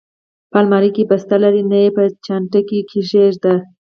په المارۍ کې، بسته لرې؟ نه، په چانټه کې یې کېږده.